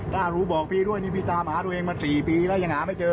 ถ้ารู้บอกพี่ด้วยนี่พี่ตามหาตัวเองมา๔ปีแล้วยังหาไม่เจอ